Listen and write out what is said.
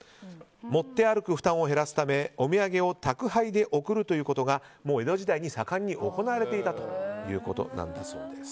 持って歩く負担を減らすためお土産を宅配で送るということが江戸時代に盛んに行われていたということなんだそうです。